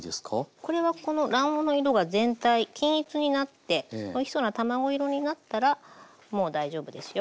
これはこの卵黄の色が全体均一になっておいしそうな卵色になったらもう大丈夫ですよ。